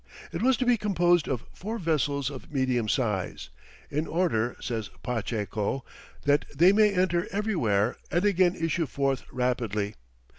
It was to be composed of four vessels of medium size, "in order," says Pacheco, "that they may enter everywhere and again issue forth rapidly."